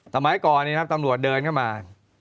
สมัยก่อนนะครับตำรวจเดินเข้ามา